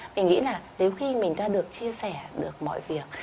mình nghĩ là nếu khi mình ta được chia sẻ được mọi việc